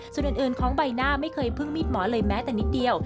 ส่วนอื่นของใบหน้าไม่เคยพึ่งมีดหมอเลยแม้แต่นิดเดียว